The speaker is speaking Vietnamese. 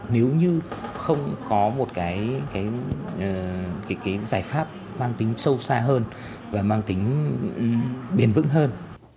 nếu như không có một cái giải pháp mang tính sâu xa hơn và mang tính bền vững hơn